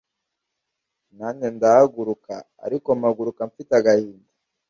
Najye ndahaguruka ariko mpaguruka mfite agahinda